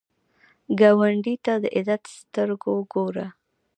ګاونډي ته د عزت سترګو ګوره